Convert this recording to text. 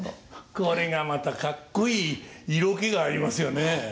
これがまたかっこいい色気がありますよね。